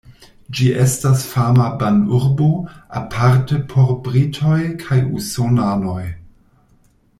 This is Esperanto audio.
Ĝi estas fama banurbo, aparte por britoj kaj usonanoj.